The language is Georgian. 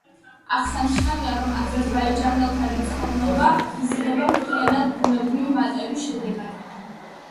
აღსანიშნავია, რომ აზერბაიჯანელთა რიცხოვნობა იზრდება მთლიანად ბუნებრივი მატების შედეგად.